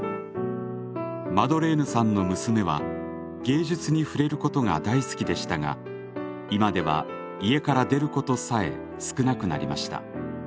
マドレーヌさんの娘は芸術に触れることが大好きでしたが今では家から出ることさえ少なくなりました。